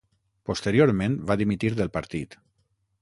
Posteriorment va dimitir del partit.